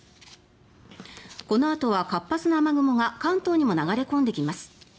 このあとは活発な雨雲が関東にも流れ込んできます。